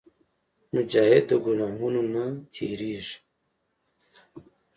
مجاهد د ګناهونو نه تېرېږي.